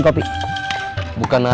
balik lagi bos